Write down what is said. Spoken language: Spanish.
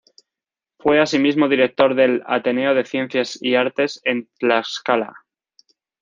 Fue asimismo director del "Ateneo de Ciencias y Artes" en Tlaxcala.